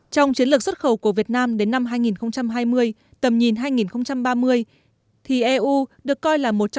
trong chiến lược xuất khẩu của việt nam đến năm hai nghìn hai mươi tầm nhìn hai nghìn ba mươi thì eu được coi là một trong những đối tác trọng tâm phát triển kinh tế thương mại